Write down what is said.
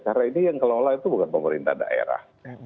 karena ini yang kelola itu bukan pemerintah daerah